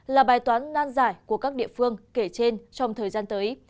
là bài toán nan giải của các địa phương kể trên trong thời gian tới